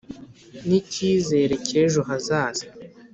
N icyizere cyejo hazaza